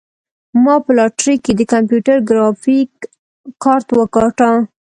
ما په لاټرۍ کې د کمپیوټر ګرافیک کارت وګاټه.